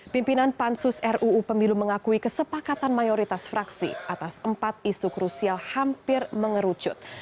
pimpinan pansus ruu pemilu mengakui kesepakatan mayoritas fraksi atas empat isu krusial hampir mengerucut